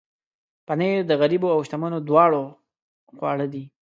پنېر د غریبو او شتمنو دواړو خواړه دي.